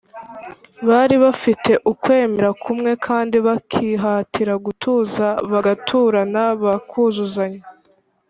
Bari bafite ukwemera kumwe kandi bakihatira gutuza bagaturana, bakuzuzanya